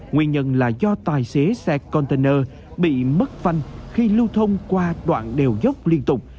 nguyên nhân là do tài xế xe container bị mất phanh khi lưu thông qua đoạn đèo dốc liên tục